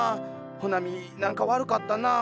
穂奈美何か悪かったなぁ。